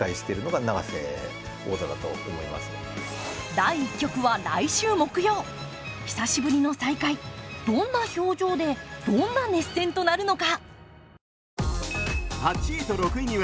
第１局は来週木曜久しぶりの再会、どんな表情でどんな熱戦となるのか。